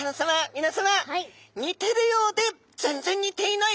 みなさま似てるようで全然似ていない